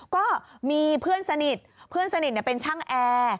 ก็มีเพื่อนสนิทเพื่อนสนิทเป็นช่างแอร์